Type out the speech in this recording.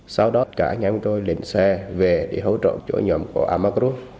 sau đó cả anh em của tôi lên xe về để hỗ trợ chỗ nhóm của amagru